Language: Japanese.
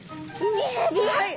はい！